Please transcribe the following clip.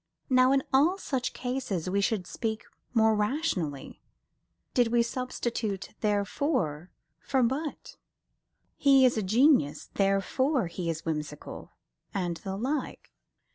Now in all such cases we should speak more rationally, did we substitute "therefore" for "but": "He is a genius, therefore he is whimsical" and the like.